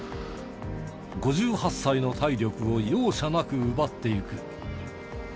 ５８歳の体力を容赦なく奪っていく。